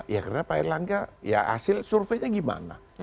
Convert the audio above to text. ya karena pak erlangga ya hasil surveinya gimana